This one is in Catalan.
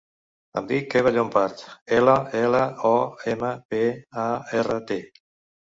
Em dic Eva Llompart: ela, ela, o, ema, pe, a, erra, te.